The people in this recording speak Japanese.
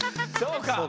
そうか。